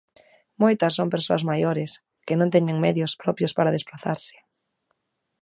Moitas son persoas maiores, que non teñen medios propios para desprazarse.